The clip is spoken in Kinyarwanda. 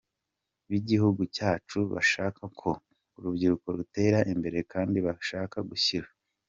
bigihugu cyacu bashaka ko urubyiruko rutera imbere kandi bashaka gushyira.